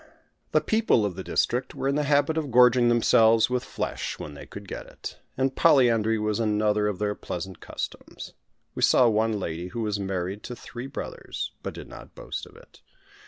The people of the district were in the habit of gorging themselves with flesh when they could get it; and polyandry was another of their pleasant customs. We saw one lady who was married to three brothers, but did not boast of it.